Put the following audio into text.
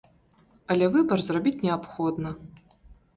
Але выбар зрабіць неабходна.